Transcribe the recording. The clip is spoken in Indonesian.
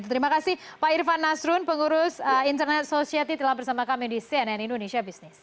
terima kasih pak irfan nasrun pengurus internet society telah bersama kami di cnn indonesia business